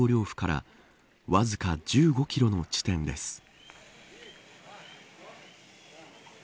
府からわずか１５キロの地点です。